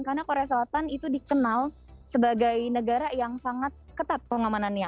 karena korea selatan itu dikenal sebagai negara yang sangat ketat pengamanannya